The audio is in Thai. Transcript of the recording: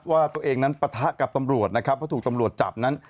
ว่าตัวเองนั้นปะทะกับตำรวจนะครับเพราะถูกตำรวจจับนั้น